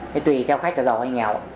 thì tùy theo khách là giàu hay nghèo